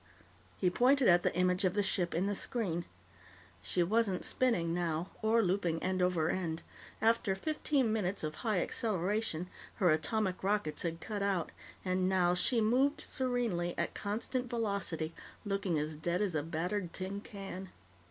He pointed at the image of the ship in the screen. She wasn't spinning now, or looping end over end. After fifteen minutes of high acceleration, her atomic rockets had cut out, and now she moved serenely at constant velocity, looking as dead as a battered tin can.